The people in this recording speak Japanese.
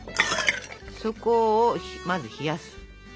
底をまず冷やす。